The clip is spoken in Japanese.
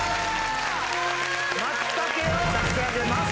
松茸を差し上げます。